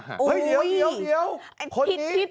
เฮ้ยเดี๋ยวคนนี้เฮ้ยเดี๋ยว